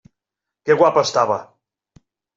Que guapa estava!